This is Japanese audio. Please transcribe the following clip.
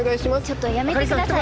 ちょっとやめてください